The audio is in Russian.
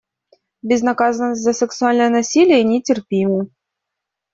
Безнаказанность за сексуальное насилие нетерпима.